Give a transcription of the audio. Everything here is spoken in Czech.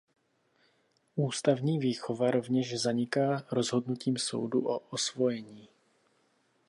Ústavní výchova rovněž zaniká rozhodnutím soudu o osvojení.